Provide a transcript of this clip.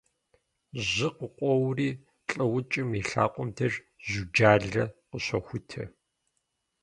Жьы къыкъуоури лӏыукӏым и лъакъуэм деж жьуджалэ къыщохутэ.